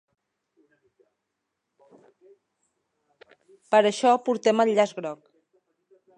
Per això portem el llaç groc.